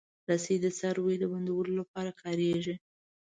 رسۍ د څارویو د بندولو لپاره کارېږي.